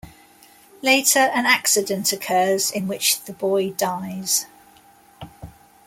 Later, an accident occurs in which the boy dies.